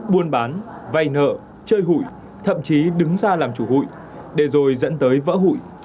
buôn bán vay nợ chơi hủy thậm chí đứng ra làm chủ hủy để rồi dẫn tới vỡ hủy